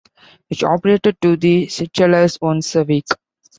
It operated to the Seychelles once a week.